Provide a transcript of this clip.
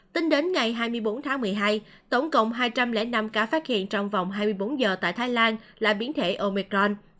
tính đến ngày hai mươi bốn tháng một mươi hai tổng cộng hai trăm linh năm ca phát hiện trong vòng hai mươi bốn giờ tại thái lan là biến thể omecron